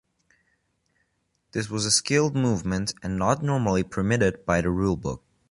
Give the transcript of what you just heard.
This was a skilled movement and not normally permitted by the Rule Book.